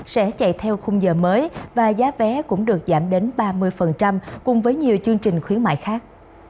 sẽ chạy theo khung giờ mới và giá vé cũng được giảm đến ba mươi cùng với nhiều chương trình khuyến mại khác